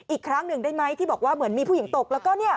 อีกครั้งหนึ่งได้ไหมที่บอกว่าเหมือนมีผู้หญิงตกแล้วก็